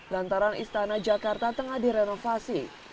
lantaran istana jakarta tengah direnovasi